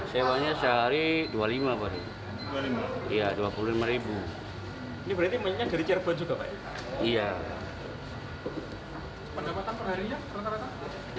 sewanya sehari dua puluh lima iya rp dua puluh lima ini berarti jadi cirebon juga pak iya pendapatan perharian